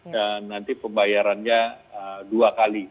dan nanti pembayarannya dua kali